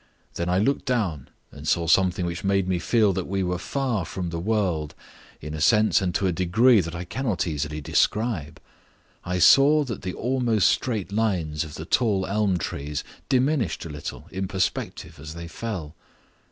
Then I looked down and saw something which made me feel that we were far from the world in a sense and to a degree that I cannot easily describe. I saw that the almost straight lines of the tall elm trees diminished a little in perspective as they fell.